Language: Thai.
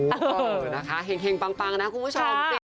โอเคนะคะเฮ่งปังมายนะคุณผู้ชม